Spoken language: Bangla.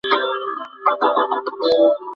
আমি তোমাদের প্রতিটা অঙ্গ টুকরা টুকরা করে ফেলব।